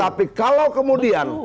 tapi kalau kemudian